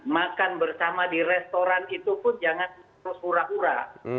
makan bersama di restoran itu pun jangan terus hura hura